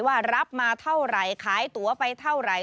ว่ารับมาเท่าไหร่ขายตัวไปเท่าไหร่